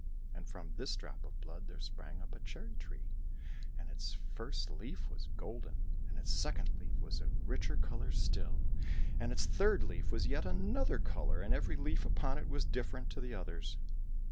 And from this drop of blood there sprang up a cherry tree ; and its first leaf was golden, and its second leaf was of richer colour still, and its third leaf was yet another colour, and every leaf upon it was different to the others.